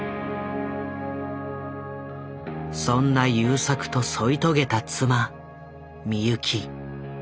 そんな優作と添い遂げた妻美由紀。